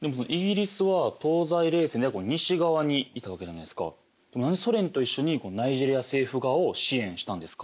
何でソ連と一緒にナイジェリア政府側を支援したんですか？